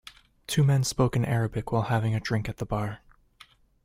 Two men spoke in Arabic while having a drink at the bar.